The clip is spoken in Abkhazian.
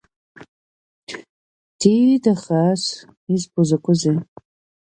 Диида хаас, избо закәызеи?